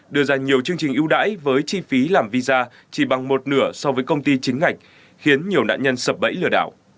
đưa ra nhiều chương trình ưu đãi với chi phí làm visa chỉ bằng một nửa so với công ty chính ngạch khiến nhiều nạn nhân sập bẫy lừa đảo